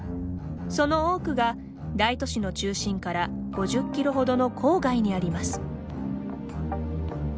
その多くが大都市の中心から５０キロほどの郊外にあります。